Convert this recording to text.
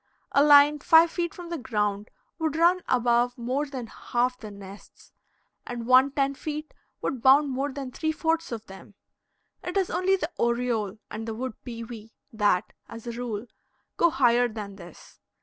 A line five feet from the ground would run above more than half the nests, and one ten feet would bound more than three fourths of them. It is only the oriole and the wood pewee that, as a rule, go higher than this.